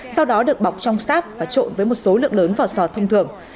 sau đó được bọc trong sáp và trộn với một số lượng lớn vỏ sò thông thường